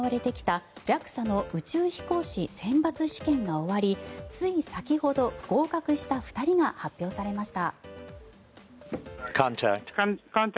去年４月から行われてきたＪＡＸＡの宇宙飛行士選抜試験が終わりつい先ほど合格した２人が発表されました。